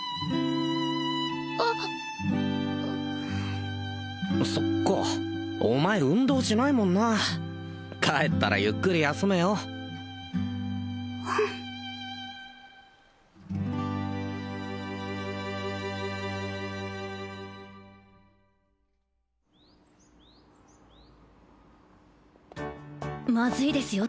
あそっかお前運動しないもんな帰ったらゆっくり休めようんまずいですよ